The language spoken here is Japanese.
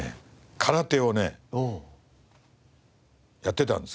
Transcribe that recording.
空手をねやってたんですけど